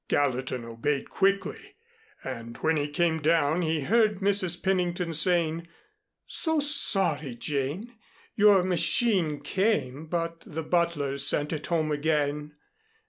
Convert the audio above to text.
Gallatin obeyed quickly and when he came down he heard Mrs. Pennington saying, "So sorry, Jane. Your machine came, but the butler sent it home again.